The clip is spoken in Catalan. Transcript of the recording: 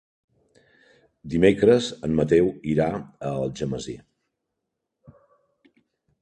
Dimecres en Mateu irà a Algemesí.